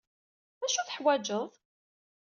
Acu teḥwaǧeḍ?